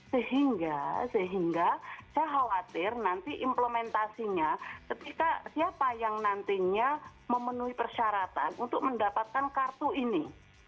sehingga saya khawatir nanti implementasinya ketika siapa yang nantinya memenuhi persyaratan untuk mendapatkan kartu ini